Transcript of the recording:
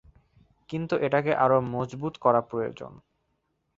কিন্তু এটাকে আরো মজবুত করা প্রয়োজন।